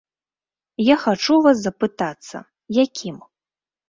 Я хачу ў вас запытацца, якім?